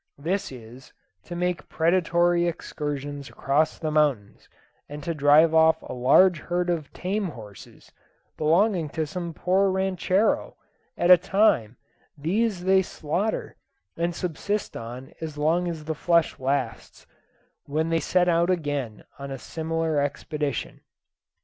This is, to make predatory excursions across the mountains, and to drive off a large herd of tame horses, belonging to some poor ranchero, at a time; these they slaughter, and subsist on as long as the flesh lasts, when they set out again on a similar expedition.